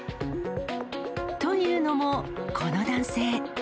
というのも、この男性。